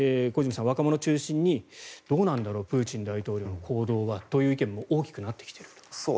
小泉さん、若者中心にどうなんだろうプーチン大統領の行動はという意見も大きくなってきている。